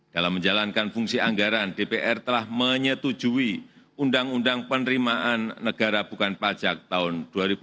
dalam menjalankan fungsi anggaran dpr telah menyetujui undang undang penerimaan negara bukan pajak tahun dua ribu dua puluh